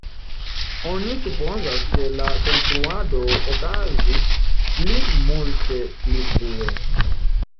Oni supozas ke la konstruado okazis pli multe pli frue.